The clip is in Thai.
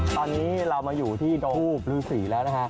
ตอนนี้เรามาอยู่ที่ดงทูบฤษีแล้วนะฮะ